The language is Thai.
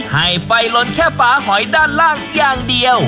ให้ไฟลนแค่ฝาหอยด้านล่างอย่างเดียว